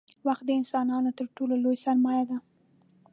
• وخت د انسانانو تر ټولو لوی سرمایه دی.